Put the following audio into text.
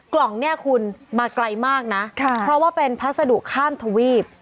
กล่องเนี่ยคุณมาไกลมากนะเพราะว่าเป็นพัสดุข้ามทวีป